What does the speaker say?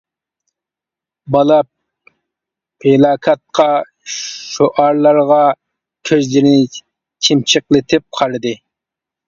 بالا پىلاكاتقا، شوئارلارغا كۆزلىرىنى چىمچىقلىتىپ قارىدى.